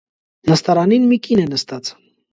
Նստարանին մի կին է նստած։